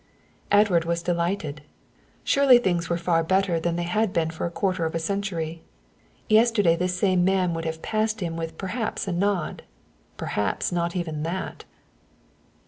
Edward was delighted. Surely things were far better than they had been for a quarter of a century. Yesterday this same man would have passed him with perhaps a nod, perhaps not even that.